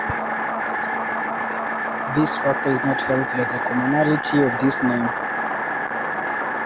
This factor is not helped by the commonality of his name.